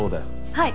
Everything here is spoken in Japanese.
はい。